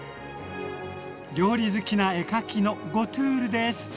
料理好きな絵描きのゴトゥールです。